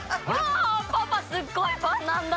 あパパすっごいファンなんだよ！